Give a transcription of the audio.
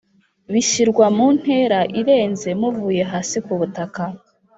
bishyirwa mu ntera irenze m , uvuye hasi kubutaka